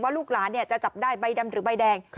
ว่าลูกหลานเนี่ยจะจับได้ใบดำหรือใบแดง